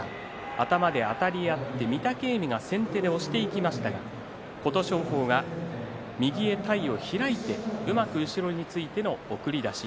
頭であたり合って御嶽海が先手で押していきましたが琴勝峰が右へ体を開いてうまく後ろについての送り出し。